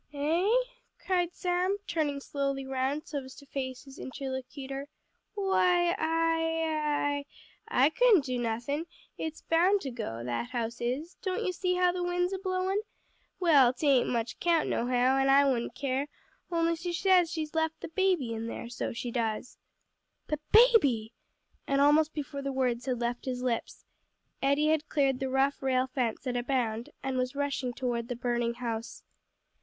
"Eh!" cried Sam, turning slowly round so as to face his interlocutor, "why I I I couldn't do nothin'; it's bound to go that house is; don't you see how the wind's a blowin'? Well, 'tain't much 'count nohow, and I wouldn't care, on'y she says she's left the baby in there; so she does." "The baby?" and almost before the words had left his lips, Eddie had cleared the rough rail fence at a bound, and was rushing toward the burning house.